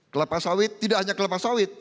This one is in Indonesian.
kelapa sawit tidak hanya kelapa sawit